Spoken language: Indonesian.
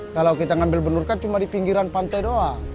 kalau kita ngambil benur kan cuma di pinggiran pantai doang